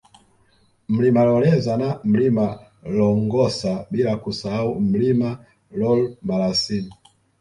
Mlima Loleza na Mlima Longosa bila kusahau mlima Loolmalasin